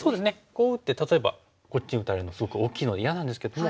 こう打って例えばこっち打たれるのすごく大きいので嫌なんですけども。